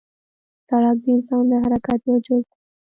سړک د انسان د حرکت یو جز دی.